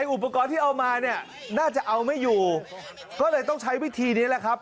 อุปกรณ์ที่เอามาเนี่ยน่าจะเอาไม่อยู่ก็เลยต้องใช้วิธีนี้แหละครับ